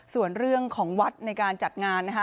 ส่วนเรื่องของวัดในการจัดงานนะคะ